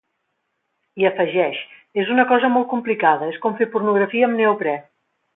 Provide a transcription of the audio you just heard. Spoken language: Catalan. I afegeix: És una cosa molt complicada; és com fer pornografia amb neoprè.